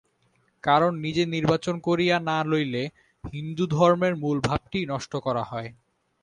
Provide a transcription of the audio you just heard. কারণ নিজে নির্বাচন করিয়া না লইলে হিন্দুধর্মের মূলভাবটিই নষ্ট করা হয়।